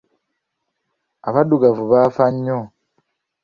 Abaddugavu baafa nnyo.